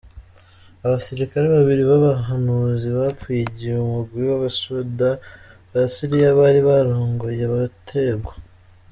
Abasirikare babiri b'abahanuzi bapfuye igihe umugwi w'abasoda ba Siriya bari barongoye wategwa.